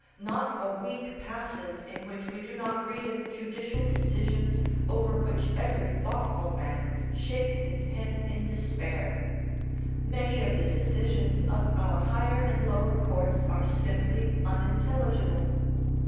Not a week passes in which we do not read of judicial decisions over which every thoughtful man shakes his head in despair; many of the decisions of our higher and lower courts are simply unintelligible.